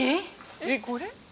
えっ！？これ！？